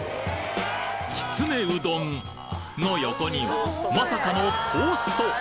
きつねうどんの横にはまさかのトースト！